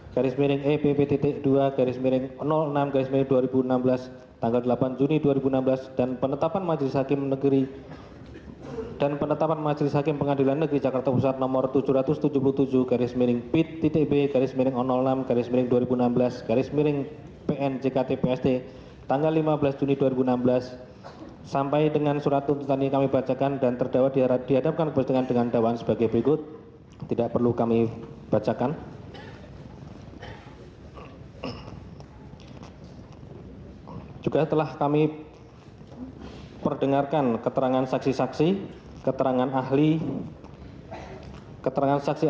garis miring epp dua garis miring enam garis miring dua ribu enam belas tanggal delapan juni dua ribu enam belas